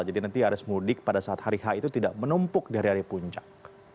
jadi nanti arus mudik pada saat hari h itu tidak menumpuk dari hari puncak